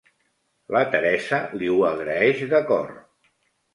La Teresa li ho agraeix de cor.